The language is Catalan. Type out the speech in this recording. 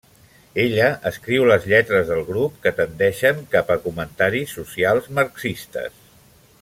Ella escriu les lletres del grup, que tendeixen cap a comentaris socials marxistes.